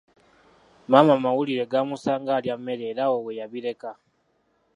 Maama amawulire gaamusanga alya mmere era awo weyabireka.